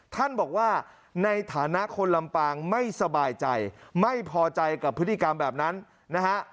ท่านบอกว่าในฐานะคนลำปางไม่สบายใจไม่พอใจกับพฤติกรรมแบบนั้นนะฮะ